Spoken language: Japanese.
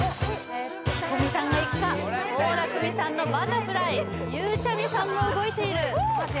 ｈｉｔｏｍｉさんがいくか倖田來未さんの「Ｂｕｔｔｅｒｆｌｙ」ゆうちゃみさんも動いているマジ